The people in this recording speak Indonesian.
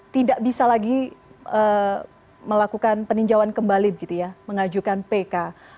tidak bisa lagi melakukan peninjauan kembali begitu ya mengajukan pk